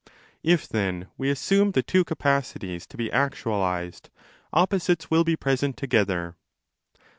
If then we assume the two capacities to be actualized, oppo sites will be present together."